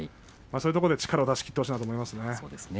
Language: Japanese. そういうところで力を出し切ってほしいと思います。